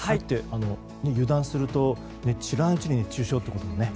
油断すると知らぬうちに熱中症ということもね。